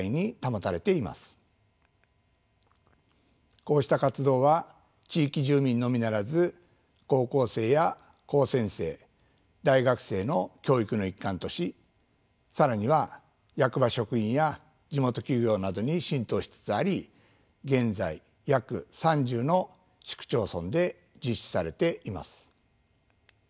こうした活動は地域住民のみならず高校生や高専生大学生の教育の一環とし更には役場職員や地元企業などに浸透しつつあり現在約３０の市区町村で実施されています。